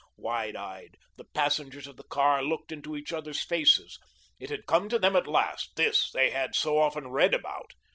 Wide eyed, the passengers of the car looked into each other's faces. It had come to them at last, this, they had so often read about.